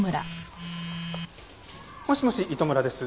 もしもし糸村です。